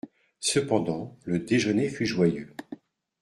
Cependant, le déjeuner fut joyeux.